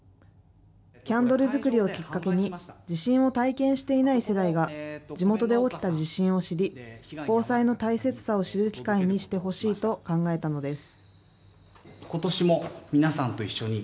キャンドル作りをきっかけに、地震を体験していない世代が、地元で起きた地震を知り、防災の大切さを知る機会にしてほしいと考えたのです。